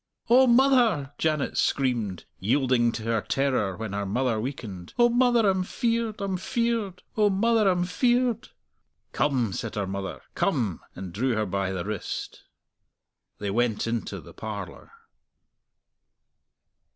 "O mother!" Janet screamed, yielding to her terror when her mother weakened. "O mother, I'm feared! I'm feared! O mother, I'm feared!" "Come!" said her mother; "come!" and drew her by the wrist. They went into the parlour.